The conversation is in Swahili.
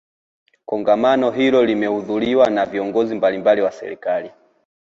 kongamano hilo limehudhuriwa na viongozi mbalimbali wa serikali